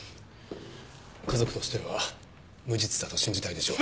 家族としては無実だと信じたいでしょう。